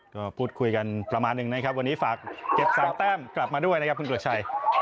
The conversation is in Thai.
ก็พูดคุยกันประมาณหนึ่งนะครับวันนี้ฝากเก็บ๓แต้มกลับมาด้วยนะครับคุณตรวจชัย